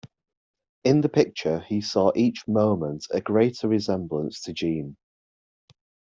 In the picture he saw each moment a greater resemblance to Jeanne.